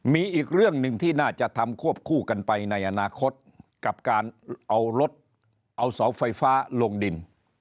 มีอีกเรื่องหนึ่งที่น่าจะทำควบคู่กันไปในอนาคตกับการเอารถเอาเสาไฟฟ้าลงดิน